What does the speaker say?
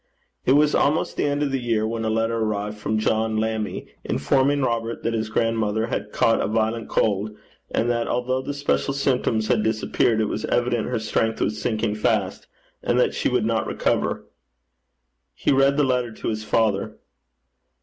It was almost the end of the year when a letter arrived from John Lammie, informing Robert that his grandmother had caught a violent cold, and that, although the special symptoms had disappeared, it was evident her strength was sinking fast, and that she would not recover. He read the letter to his father.